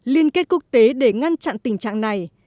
liên kết quốc tế để ngăn chặn tình trạng này